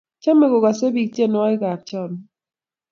chamei kukasei biik tyenwekab chamyet